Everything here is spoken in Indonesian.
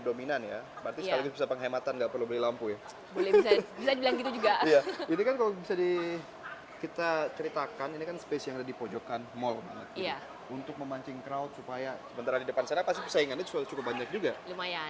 di depan saya ada space yang ada di pojokan mall untuk memancing crowd supaya pasangannya cukup banyak juga